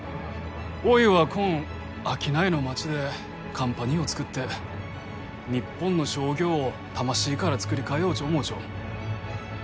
おいは、こん商いの町でカンパニーを作って日本の商業を魂から作り替えようち思うちょ。